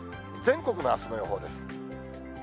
全国のあすの予報です。